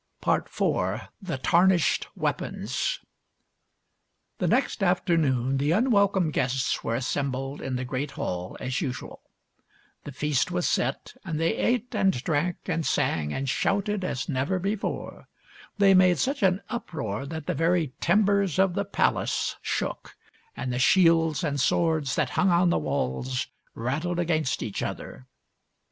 IV. THE TARNISHED WEAPONS The next afternoon the unwelcome guests were assembled in the great hall as usual. The feast was set, and they ate and drank and sang and l66 THIRTY MORE FAMOUS STORIES shouted as never before. They made smch an uproar that the very timbers of the palace shook, and the shields and swords that hung on the walls rattled against each other.